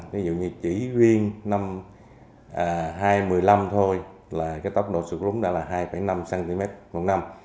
ví dụ như chỉ riêng năm hai nghìn một mươi năm thôi là cái tốc độ sụt lúng đã là hai năm cm một năm